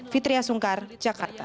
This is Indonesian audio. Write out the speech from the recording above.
fitriah sungkar jakarta